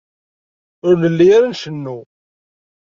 Ur nelli ara ncennu.